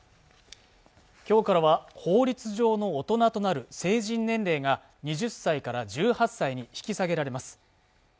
今日からは法律上の大人となる成人年齢が２０歳から１８歳に引き下げられます